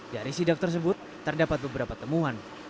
dari sidak tersebut terdapat beberapa temuan